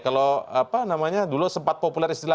kalau apa namanya dulu sempat populer istilah